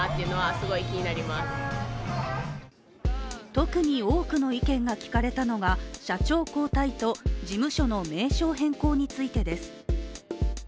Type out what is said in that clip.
特に多くの意見が聞かれたのが社長交代と事務所の名称変更についてです。